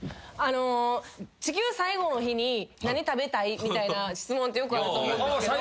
地球最後の日に何食べたい？みたいな質問ってよくあると思うんですけど。